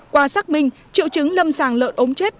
qua xác minh triệu chứng lâm sàng lợn ốm chết